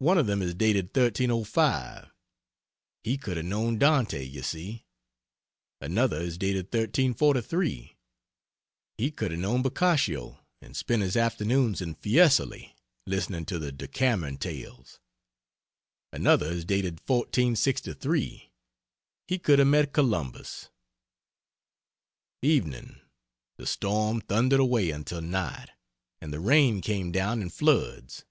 One of them is dated 1305 he could have known Dante, you see. Another is dated 1343 he could have known Boccaccio and spent his afternoons in Fiesole listening to the Decameron tales. Another is dated 1463 he could have met Columbus..... Evening. The storm thundered away until night, and the rain came down in floods.